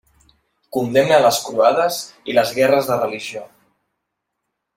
Condemna les Croades i les guerres de religió.